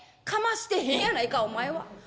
「かましてへんやないかお前は。